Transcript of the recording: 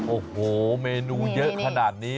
โอ้โหเมนูเยอะขนาดนี้